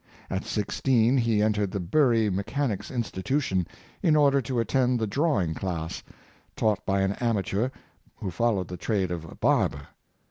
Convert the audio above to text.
At sixteen, he entered the Bury Mechanic's Institution in order to attend the drawing class, taught by an amateur who followed the trade of a barber.